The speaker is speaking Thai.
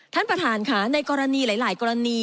ท่านประธานค่ะในกรณีหลายกรณี